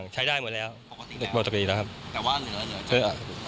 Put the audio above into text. ใช้ได้หมดแล้วปกติแล้วครับ